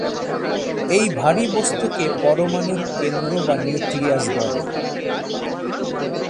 এই ভারী বস্তুকে পরমাণুর কেন্দ্র বা নিউক্লিয়াস বলে।